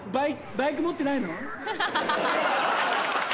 バイク持ってないの？